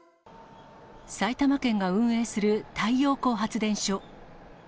埼玉県が運営する太陽光発電所。